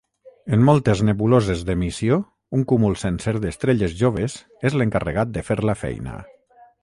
En moltes nebuloses d'emissió, un cúmul sencer d'estrelles joves és l'encarregat de fer la feina.